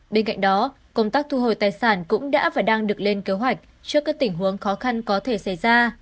bên cạnh đó công tác thu hồi tài sản cũng đã và đang được lên kế hoạch trước các tình huống khó khăn có thể xảy ra